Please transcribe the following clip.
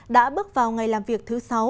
đã bước vào ngày làm việc thứ sáu